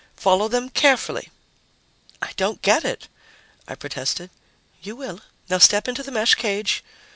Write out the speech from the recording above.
Follow them carefully." "I don't get it!" I protested. "You will. Now step into the mesh cage.